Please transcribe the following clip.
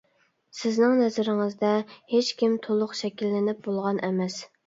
سىزنىڭ نەزىرىڭىزدە، ھېچ كىم تولۇق شەكىللىنىپ بولغان ئەمەس.